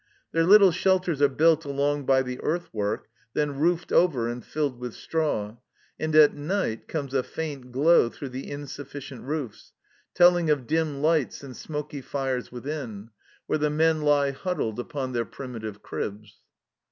Their little shelters are built along by the earth work, then roofed over and filled with straw, and at night comes a faint glow through the insufficient roofs, telling of dim lights and smoky fires within, THE CELLAR HOUSE 125 where the men lie huddled upon their primitive cribs.